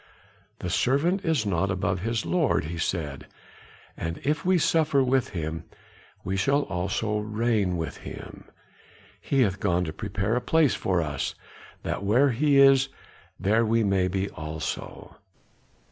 "The servant is not above his Lord," he said, "and if we suffer with him, we shall also reign with him; he hath gone to prepare a place for us, that where he is, there we may be also."